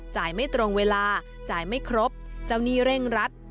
ไม่ตรงเวลาจ่ายไม่ครบเจ้าหนี้เร่งรัด